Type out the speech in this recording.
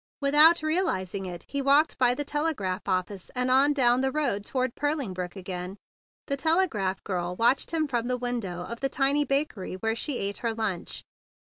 Without realizing it he walked by the telegraph office and on down the road toward Purling Brook again. The telegraph girl watched him from the window of the tiny bakery where she ate her lunch.